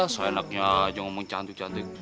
seenaknya aja ngomong cantik